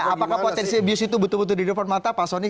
apakah potensi abuse itu betul betul di depan mata pak soni